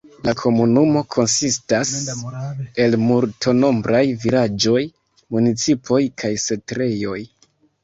La komunumo konsistas el multnombraj vilaĝoj, municipoj kaj setlejoj.